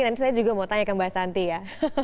saya juga mau tanya ke mbak santi ya